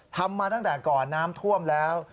ทำมาตั้งแต่ก่อนน้ำท่วมแล้ว